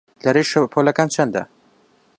لەرەی شەپۆڵەکان چەندە؟